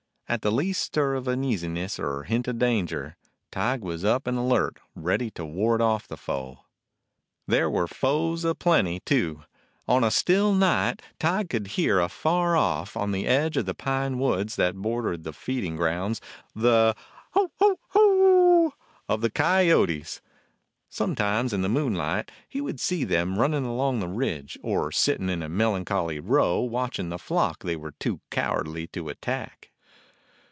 At the least stir of uneasiness or hint of danger, Tige was up and alert, ready to ward off the foe. There were foes a plenty, too. On a still night Tige could hear afar off, on the edge of the pine woods that bordered the feeding grounds, the "ooo ooo oow!" of the coyotes. Sometimes in the moonlight he would see them running along a ridge, or sitting in a melan choly row watching the flock they were too cowardly to attack.